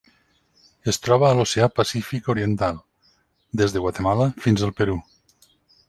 Es troba a l'Oceà Pacífic oriental: des de Guatemala fins al Perú.